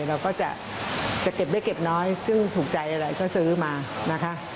เราก็จะเก็บได้เก็บน้อยซึ่งถูกใจอะไรก็ซื้อมานะคะ